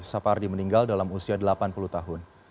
sapardi meninggal dalam usia delapan puluh tahun